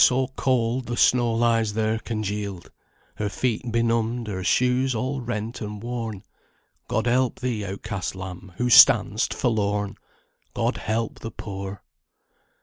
so cold, the snow lies there congealed; Her feet benumbed, her shoes all rent and worn, God help thee, outcast lamb, who standst forlorn! God help the poor!